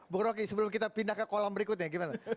bu rocky sebelum kita pindah ke kolam berikutnya gimana